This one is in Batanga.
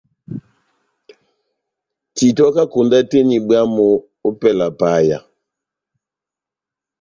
Titwaka konda tɛ́h eni bwámu opɛlɛ ya paya.